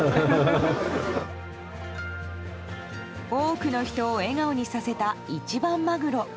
多くの人を笑顔にさせた一番マグロ。